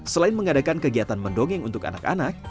selain mengadakan kegiatan mendongeng untuk anak anak